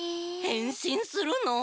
へんしんするの？